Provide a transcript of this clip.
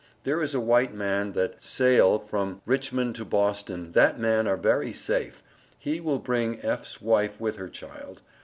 There is a white man that Sale from Richmond to Boston, that man are very Safe, he will bring F's wife with her child.